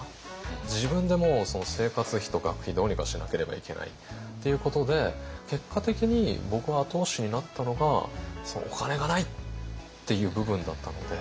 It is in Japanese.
自分でもう生活費と学費どうにかしなければいけないっていうことで結果的に僕の後押しになったのがお金がないっていう部分だったので。